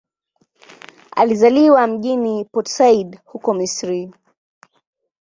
Alizaliwa mjini Port Said, huko Misri.